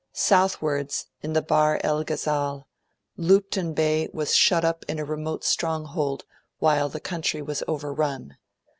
Southwards, in the Bahr el Ghazal, Lupton Bey was shut up in a remote stronghold, while the country was overrun.